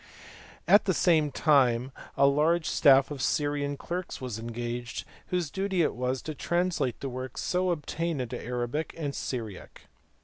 At the same time a large staff of Syrian clerks was engaged, whose duty it was t* translate the works so obtained into Arabic and Syriac.